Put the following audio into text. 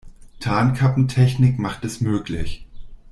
Tarnkappentechnik macht es möglich.